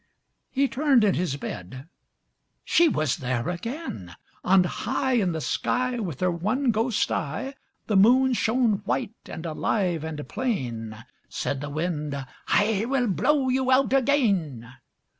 He turned in his bed; she was there again! On high In the sky, With her one ghost eye, The Moon shone white and alive and plain. Said the Wind, "I will blow you out again."